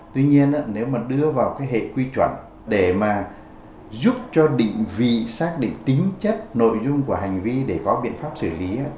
tuy nhiên nếu mà đưa vào cái hệ quy chuẩn để mà giúp cho định vị xác định tính chất nội dung của hành vi để có biện pháp xử lý